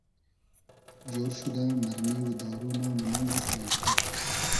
جۉر شودۂ مئرمی و دارو نام و نئنگی تایفۂ